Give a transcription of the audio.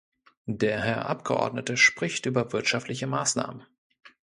Der Herr Abgeordnete spricht über wirtschaftliche Maßnahmen.